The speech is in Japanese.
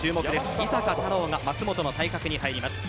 井坂太郎が舛本の対角に入ります。